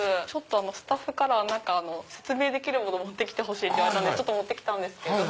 スタッフから説明できるもの持ってきてほしいって言われて持ってきたんですけど。